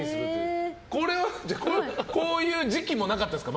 じゃあ、こういう時期もなかったですか？